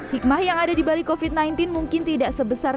hikmah yang ada di balik covid sembilan belas mungkin tidak sebesar